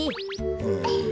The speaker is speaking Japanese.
うん。